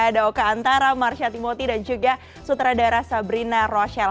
daoka antara marsha timoti dan juga sutradara sabrina rochelle